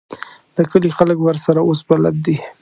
د کلي خلک ورسره اوس بلد دي.